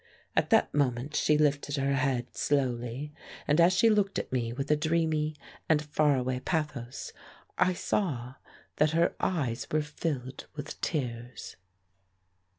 At that moment she lifted her head slowly, and as she looked at me with a dreamy and far away pathos I saw that her eyes were filled with tears.